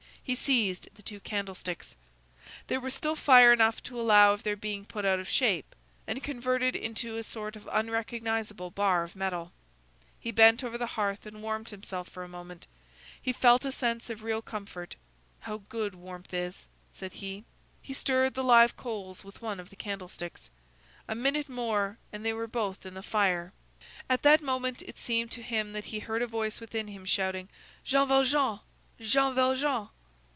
He seized the two candlesticks. There was still fire enough to allow of their being put out of shape, and converted into a sort of unrecognizable bar of metal. He bent over the hearth and warmed himself for a moment. He felt a sense of real comfort. "How good warmth is!" said he. He stirred the live coals with one of the candlesticks. A minute more, and they were both in the fire. At that moment it seemed to him that he heard a voice within him shouting: "Jean Valjean! Jean Valjean!"